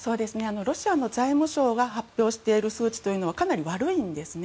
ロシアの財務省が発表している数値というのはかなり悪いんですね。